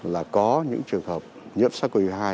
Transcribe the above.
là có những trường hợp nhiễm sars cov hai